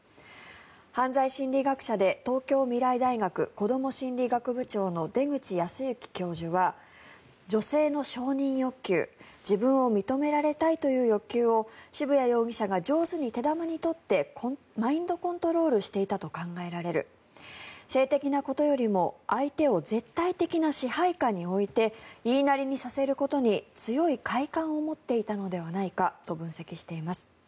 犯罪心理学者で東京未来大学こども心理学部長の出口保行教授は女性の承認欲求自分を認められたいという欲求を渋谷容疑者が上手に手玉に取ってマインドコントロールしていたと考えられる性的なことよりも相手を絶対的な支配下に置いて言いなりにさせることに強い快感を持っていたのではないかと分析しています。